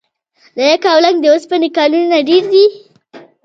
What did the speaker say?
د یکاولنګ د اوسپنې کانونه ډیر دي؟